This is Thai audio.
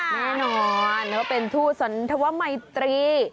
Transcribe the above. แน่นอนเป็นทู่สนธวะมัยตรี